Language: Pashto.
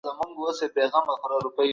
په کلیو کي باید د نجونو ښوونځي پرانیستي وي.